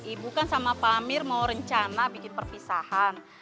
ibu kan sama pamir mau rencana bikin perpisahan